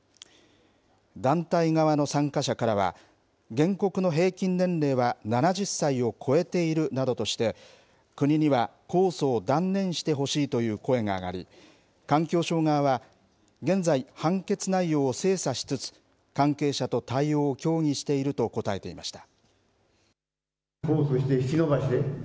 団体側の参加者からは原告の平均年齢は７０歳を超えているなどとして国には控訴を断念してほしいという声が上がり環境省側は現在、判決内容を精査しつつ関係者と対応を協議していると答えていました。